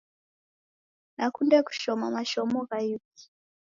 Nakunde kushoma mashomo gha ighu